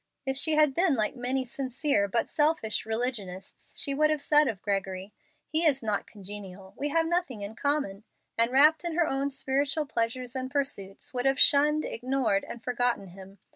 If she had been like many sincere but selfish religionists, she would have said of Gregory, "He is not congenial. We have nothing in common," and, wrapped in her own spiritual pleasures and pursuits, would have shunned, ignored, and forgotten him.